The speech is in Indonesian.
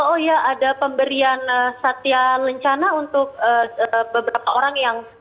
oh ya ada pemberian satya lencana untuk beberapa orang yang